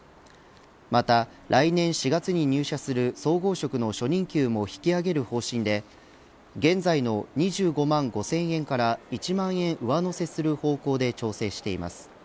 また来年４月に入社する総合職の初任給も引き上げる方針で現在の２５万５０００円から１万円上乗せする方向で調整しています。